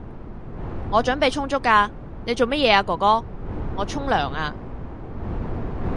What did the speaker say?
我準備充足㗎，你做乜嘢啊哥哥？我沖涼呀